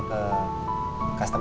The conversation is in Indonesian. gak ada uang